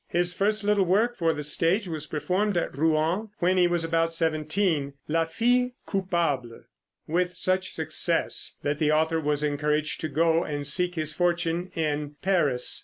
His first little work for the stage was performed at Rouen when he was about seventeen, "La Fille Coupable," with such success that the author was encouraged to go and seek his fortune in Paris.